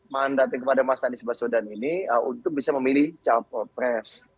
mandatnya kepada mas anies baswedan ini untuk bisa memilih cawapres